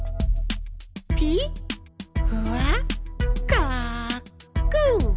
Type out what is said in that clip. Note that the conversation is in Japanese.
ピッふわっかっくん。